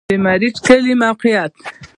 د مريچ کلی موقعیت